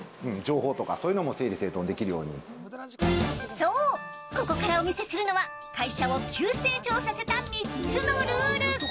そう、ここからお見せするのは会社を急成長させた３つのルール。